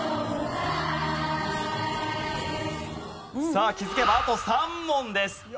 さあ気づけばあと３問です。